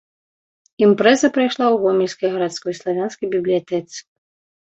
Імпрэза прайшла ў гомельскай гарадской славянскай бібліятэцы.